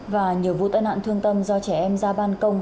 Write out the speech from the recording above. và nhiều vụ tai nạn thương tâm do trẻ em ra ban công